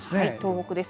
東北です。